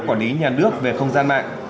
quản lý nhà nước về không gian mạng